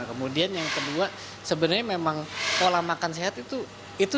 kemudian yang kedua sebenarnya memang pola makan sehat itu